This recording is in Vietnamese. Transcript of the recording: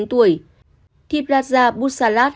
thịp rát gia bút sa lát